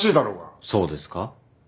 そうですか？